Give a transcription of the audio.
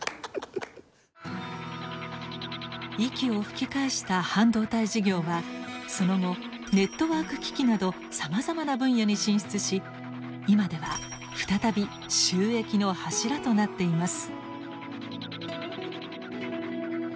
息を吹き返した半導体事業はその後ネットワーク機器などさまざまな分野に進出し今では再び収益の柱となっています。